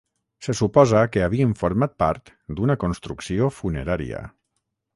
Se suposa que havien format part d'una construcció funerària.